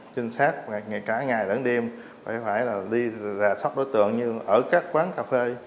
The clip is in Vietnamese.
chính xác cả ngày lẫn đêm phải đi ra soát đối tượng như ở các quán cà phê